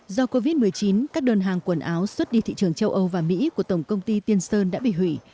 do covid một mươi chín các đơn hàng quần áo xuất đi thị trường châu âu và mỹ của tổng công ty tiên sơn đã bị hủy